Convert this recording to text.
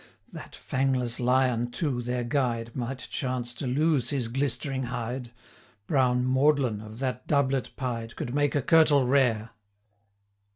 That fangless Lion, too, their guide, Might chance to lose his glistering hide; Brown Maudlin, of that doublet pied, 100 Could make a kirtle rare.'